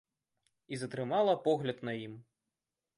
І затрымала погляд на ім.